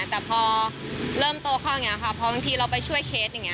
แต่พอเริ่มโตเข้าพอบางทีเราไปช่วยเคส